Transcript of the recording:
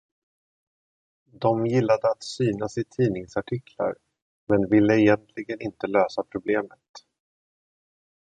De gillade att synas i tidningsartiklar men ville egentligen inte lösa problemet